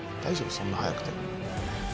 そんなはやくて。